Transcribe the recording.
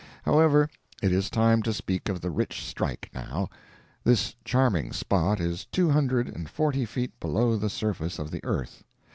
However, it is time to speak of the rich strike, now. This charming spot is two hundred and forty feet below the surface of the earth.